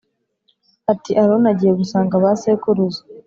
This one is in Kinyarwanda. ati Aroni agiye gusanga ba sekuruza